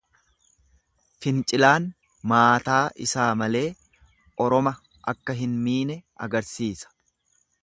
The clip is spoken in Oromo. Fincilaan maataa isaa malee oroma akka hin miine argisiisa.